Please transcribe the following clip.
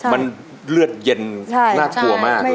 มันเลือดเย็นน่ากลัวมากเลย